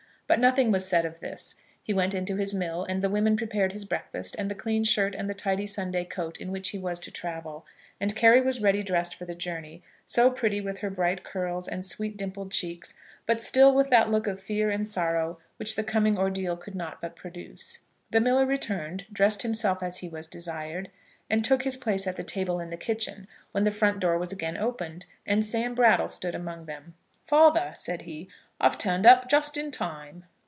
But nothing was said of this. He went into his mill, and the women prepared his breakfast, and the clean shirt and the tidy Sunday coat in which he was to travel. And Carry was ready dressed for the journey; so pretty, with her bright curls and sweet dimpled cheeks, but still with that look of fear and sorrow which the coming ordeal could not but produce. The miller returned, dressed himself as he was desired, and took his place at the table in the kitchen; when the front door was again opened, and Sam Brattle stood among them! "Father," said he, "I've turned up just in time."